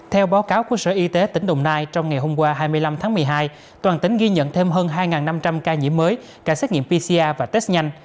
theo báo cáo của sở y tế tỉnh đồng nai trong ngày hôm qua hai mươi năm tháng một mươi hai toàn tỉnh ghi nhận thêm hơn hai năm trăm linh ca nhiễm mới cả xét nghiệm pcr và test nhanh